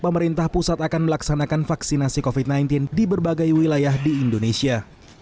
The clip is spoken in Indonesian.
pemerintah pusat akan melaksanakan vaksinasi covid sembilan belas di berbagai wilayah di indonesia